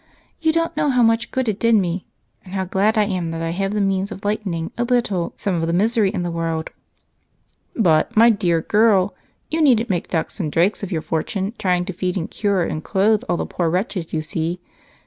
You don't know how much good it did me and how glad I am that I have the means of lightening a little some of the misery in the world." "But, my dear girl, you needn't make ducks and drakes of your fortune trying to feed and cure and clothe all the poor wretches you see.